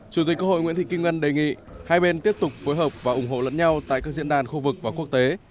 chủ tịch quốc hội nguyễn thị kim ngân đề nghị hai bên tiếp tục phối hợp và ủng hộ lẫn nhau tại các diễn đàn khu vực và quốc tế